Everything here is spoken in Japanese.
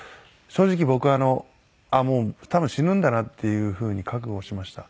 正直僕あっもう多分死ぬんだなっていうふうに覚悟しました。